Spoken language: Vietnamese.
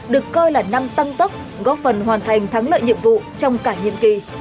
được coi là năm tăng tốc góp phần hoàn thành thắng lợi nhiệm vụ trong cả nhiệm kỳ